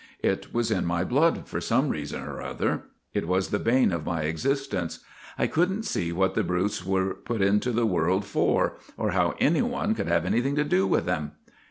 It was in my blood, for some reason or other. It was the bane of my existence. I could n't see what the brutes were put into the world for, or how any one could have anything to do with them.